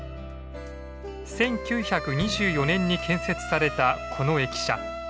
１９２４年に建設されたこの駅舎。